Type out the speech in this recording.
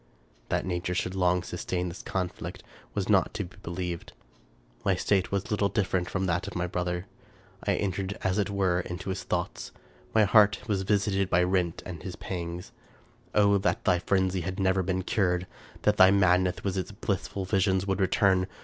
That nature should long sustain this conflict was not to be believed. My state was little different from that of my brother. I entered, as it were, into his thoughts. My heart was visited and rent by his pangs. " Oh that thy 301 American Mystery Stories frenzy had never been cured! that thy madness, with its bHssful visions, would return